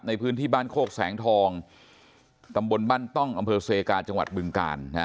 ในพื้นที่บ้านโคกแสงทองตำบลบ้านต้องอำเภอเซกาจังหวัดบึงกาล